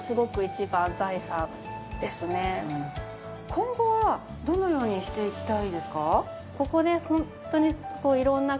今後はどのようにしていきたいですか？